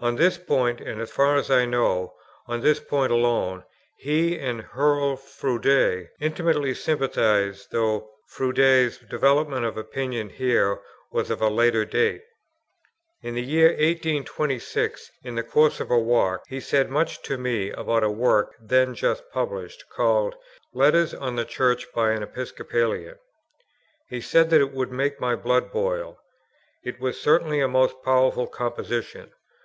On this point, and, as far as I know, on this point alone, he and Hurrell Froude intimately sympathized, though Froude's development of opinion here was of a later date. In the year 1826, in the course of a walk, he said much to me about a work then just published, called "Letters on the Church by an Episcopalian." He said that it would make my blood boil. It was certainly a most powerful composition.